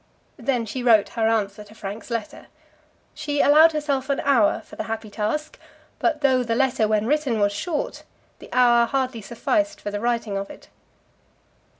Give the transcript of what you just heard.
Then she wrote her answer to Frank's letter. She allowed herself an hour for the happy task; but though the letter, when written, was short, the hour hardly sufficed for the writing of it.